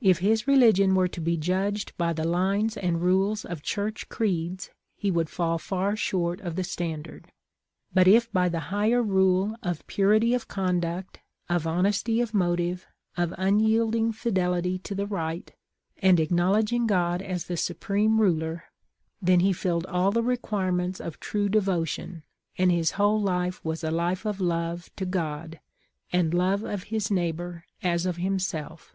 If his religion were to be judged by the lines and rules of Church creeds he would fall far short of the standard ; but if by the higher rule of purity of conduct, of hon esty of motive, of unyielding fidelity to the right, and acknowledging God as the supreme ruler, then he filled all the requirements of true devotion, and his whole life was a life of love to God, and love of his neighbor as of himself.